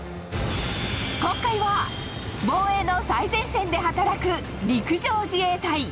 今回は防衛の最前線で働く陸上自衛隊。